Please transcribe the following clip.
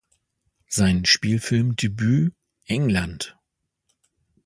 Sein Spielfilmdebüt "England!